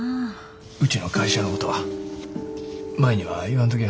うちの会社のことは舞には言わんときや。